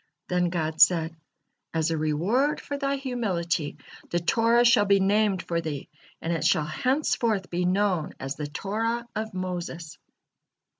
Then God said: "As a reward for thy humility, the Torah shall be named for thee, and it shall henceforth be known as the Torah of Moses."